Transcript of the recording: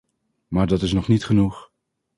Maar dat is nog niet genoeg.